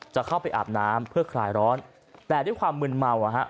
จะเข้าไปอาบน้ำเพื่อคลายร้อนแต่ด้วยความมืนเมาอ่ะฮะ